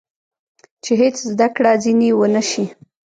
چې هېڅ زده کړه ځینې ونه شي.